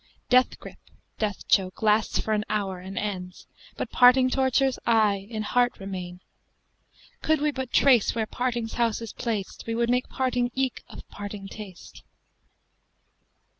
Death grip, death choke, lasts for an hour and ends, * But parting tortures aye in heart remain: Could we but trace where Parting's house is placed, * We would make Parting eke of parting taste!'